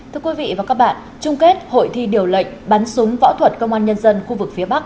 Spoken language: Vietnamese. thưa quý vị và các bạn trung kết hội thi điều lệnh bắn súng võ thuật công an nhân dân khu vực phía bắc